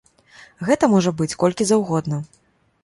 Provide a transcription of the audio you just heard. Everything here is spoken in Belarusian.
Гэта можа быць колькі заўгодна.